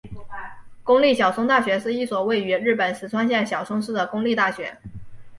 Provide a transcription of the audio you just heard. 公立小松大学是一所位于日本石川县小松市的公立大学。